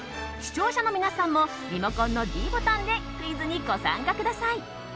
視聴者の皆さんもリモコンのｄボタンでクイズにご参加ください。